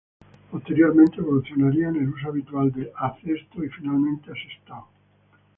Posteriormente evolucionaría en el uso habitual a "Cesto" y finalmente a "Sestao".